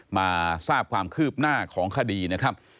มาทราบความคืบหน้าของคดีนะครับ